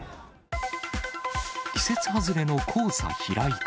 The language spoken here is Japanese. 季節外れの黄砂飛来か。